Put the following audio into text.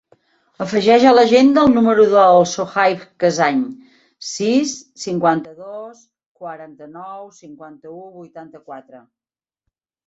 Afegeix a l'agenda el número del Sohaib Casañ: sis, cinquanta-dos, quaranta-nou, cinquanta-u, vuitanta-quatre.